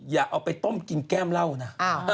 อยากเอาไปต้มกินแก้มร่าวนะ